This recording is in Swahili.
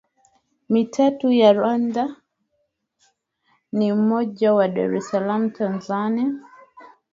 Mitatu ya Rwanda na mmoja wa Dar es salaam Tanzania